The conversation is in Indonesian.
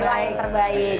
berdoa yang terbaik